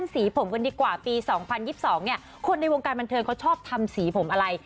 สีผมกันดีกว่าปี๒๐๒๒เนี่ยคนในวงการบันเทิงเขาชอบทำสีผมอะไร